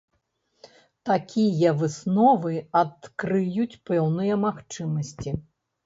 Такія высновы адкрыюць пэўныя магчымасці.